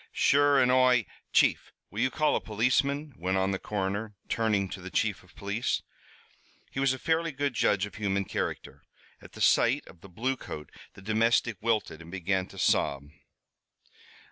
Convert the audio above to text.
"Sure, an' Oi " "Chief, will you call a policeman?" went on the coroner, turning to the chief of police. He was a fairly good judge of human character. At the sight of the bluecoat the domestic wilted and began to sob.